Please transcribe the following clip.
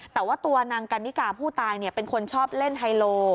แต่ว่าตัวนางกันนิกาผู้ตายเป็นคนชอบเล่นไฮโล